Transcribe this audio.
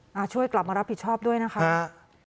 มาช่วยกลับมารับผิดชอบด้วยนะครับ